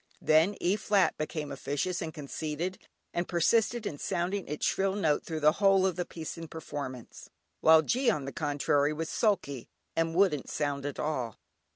Then E flat became officious and conceited, and persisted in sounding its shrill note through the whole of the piece in performance, while G on the contrary was sulky, and wouldn't sound at all.